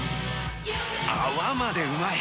泡までうまい！